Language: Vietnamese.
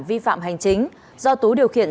vi phạm hành chính do tú điều khiển